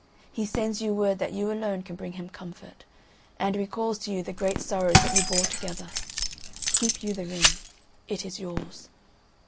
He sends you word that you alone can bring him comfort, and recalls to you the great sorrows that you bore together. Keep you the ring—it is yours."